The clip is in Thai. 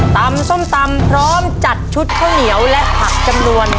ส้มตำพร้อมจัดชุดข้าวเหนียวและผักจำนวน